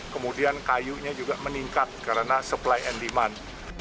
kemudian kayunya juga meningkat karena supply and demand